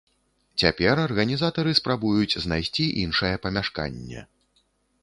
Цяпер арганізатары спрабуюць знайсці іншае памяшканне.